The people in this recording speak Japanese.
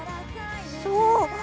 そう！